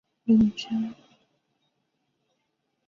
分布于中国广西柳江。